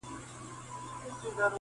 قاضي و ویله هیڅ پروا یې نسته-